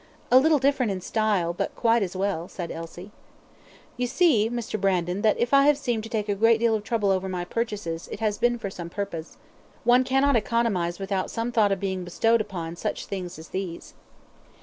"A little different in style, but quite as well," said Elsie. "You see, Mr. Brandon, that if I have seemed to take a great deal of trouble over my purchases, it has been for some purpose. One cannot economize without some thought being bestowed upon such things as these."